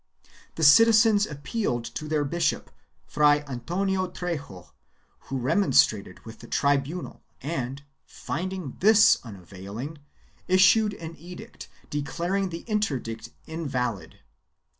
The citizens appealed to their bishop, Fray Antonio Trejo, who remonstrated with the tribunal and, finding this un availing, issued an edict declaring the interdict invalid.